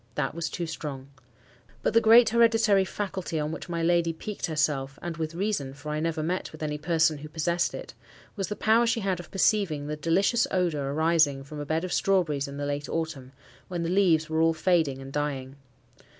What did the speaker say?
That was too strong. But the great hereditary faculty on which my lady piqued herself, and with reason, for I never met with any person who possessed it, was the power she had of perceiving the delicious odour arising from a bed of strawberries in the late autumn, when the leaves were all fading and dying.